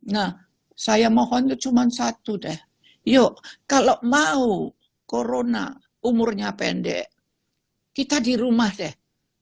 nah saya mohon cuma satu deh yuk kalau mau corona umurnya pendek kita di rumah deh